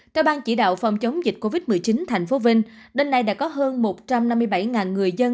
theo bang chỉ đạo phòng chống dịch covid một mươi chín tp vinh đến nay đã có hơn một trăm năm mươi bảy người dân